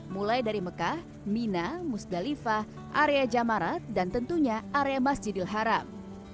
mulai dari mekah mina musdalifah area jamarat dan tentunya area masjidil haram